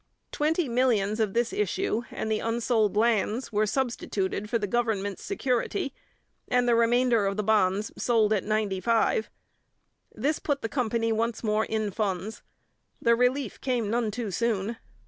Twenty millions of this issue and the unsold lands were substituted for the government's security, and the remainder of the bonds sold at 95. This put the company once more in funds. The relief came none too soon.